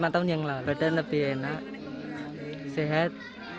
lima tahun yang lalu badan lebih enak sehat